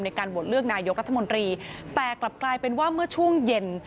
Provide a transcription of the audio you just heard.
ในการโหวตเลือกนายกรัฐมนตรีแต่กลับกลายเป็นว่าเมื่อช่วงเย็น